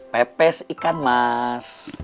pepes ikan mas